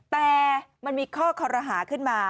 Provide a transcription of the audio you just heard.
แต่มันมีข้อคอรหาขึ้นมา